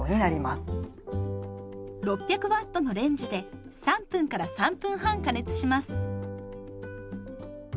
６００Ｗのレンジで３分から３分半加熱します。